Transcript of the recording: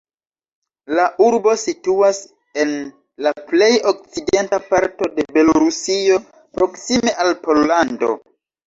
La urbo situas en la plej okcidenta parto de Belorusio, proksime al Pollando.